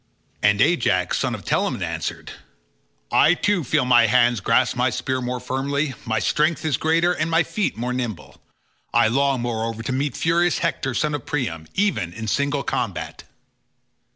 And Ajax son of Telamon answered, "I too feel my hands grasp my spear more firmly; my strength is greater, and my feet more nimble; I long, moreover, to meet furious Hector son of Priam, even in single combat."